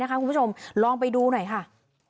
คุณผู้ชมลองไปดูหน่อยค่ะ